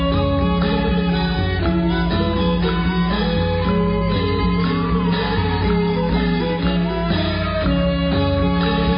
ด้วยประกาศหลุงนาเมตตาไม่ดีลุงวันสะทิดนี้กูพบเกิดไปแล้ว